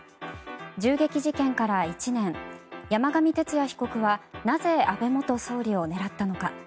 銃撃事件から１年山上徹也被告はなぜ安倍元総理を狙ったのか。